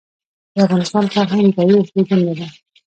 د افغانستان فرهنګ د تاریخ زېږنده دی.